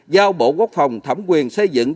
giao bộ quốc phòng thẩm quyền xây dựng